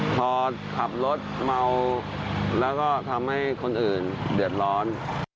พอขับรถเมาแล้วก็ทำให้คนอื่นเดือดร้อน